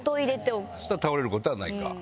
そしたら倒れることはないか。